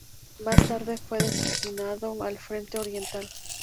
Más tarde fue destinado al frente oriental.